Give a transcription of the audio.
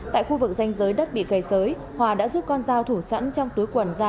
tại khu vực danh giới đất bị cây sới hòa đã rút con dao thủ sẵn trong túi quần ra